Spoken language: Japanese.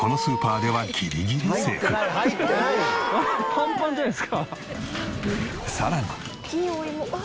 パンパンじゃないですか。